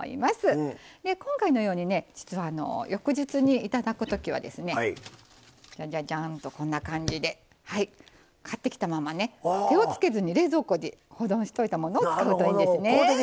で今回のようにね実は翌日に頂く時はですねジャジャジャンとこんな感じではい買ってきたままね手をつけずに冷蔵庫に保存しといたものを使うといいんですね。